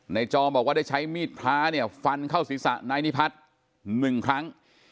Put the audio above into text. ในจอบอกว่าได้ใช้มีดพระฟันเข้าศีรษะนายนิพัฒน์หนึ่งครั้ง